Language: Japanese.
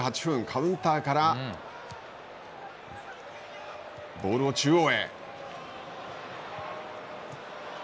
カウンターからボールを中央へ。